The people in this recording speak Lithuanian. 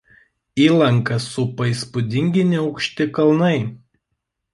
Įlanką supa įspūdingi neaukšti kalnai.